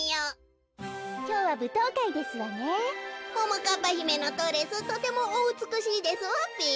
かっぱひめのドレスとてもおうつくしいですわべ。